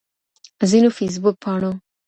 ځينو فيسبوک پاڼو